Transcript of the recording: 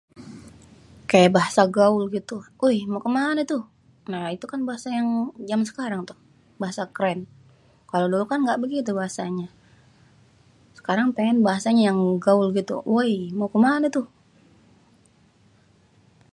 "Kayak bahasa gaul gitu ""Uy! mau ke mana tuh?"" Nah itu kan bahasa yang jaman sekarang tuh, bahasa keren. Kalo dulu kan gak bègitu bahasanya. Sekarang pèngèn bahasanya yang gaul gitu ""Woi! mau ke mana tuh?"""